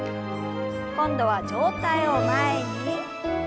今度は上体を前に。